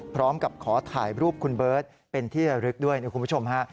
พร้อมกับขอถ่ายรูปคุณเบิร์ตเป็นที่ระลึกด้วยนะคุณผู้ชมฮะ